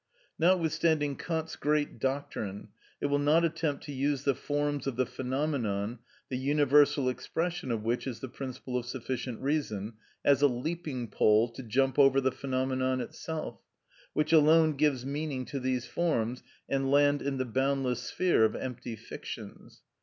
Notwithstanding Kant's great doctrine, it will not attempt to use the forms of the phenomenon, the universal expression of which is the principle of sufficient reason, as a leaping pole to jump over the phenomenon itself, which alone gives meaning to these forms, and land in the boundless sphere of empty fictions.